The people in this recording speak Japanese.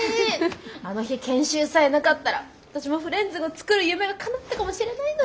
あの日研修さえなかったら私もフレンズを作る夢がかなったかもしれないのに。